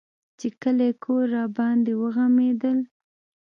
چې کلى کور راباندې وغمېدل.